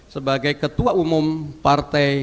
sebagai ketua umum partai